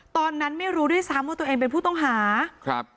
ตอนนั้นไม่รู้ด้วยซ้ำว่าตัวเองเป็นผู้ต้องหาครับ